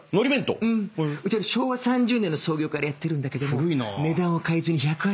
うちは昭和３０年の創業からやってるんだけども値段を変えずに１８０円でやってる。